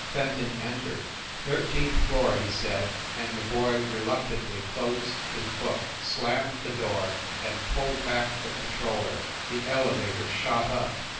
Fenton entered. "Thirteenth floor," he said, and the boy reluc tantly closed his book, slammed the door and pulled back the controller. The elevator shot up.